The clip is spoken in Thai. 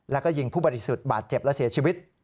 แล้วก็ยิงผู้บริสุทธิ์บาดเจ็บและเสียชีวิต